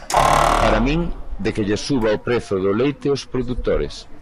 Para min, de que lles suba o prezo do leite aos produtores.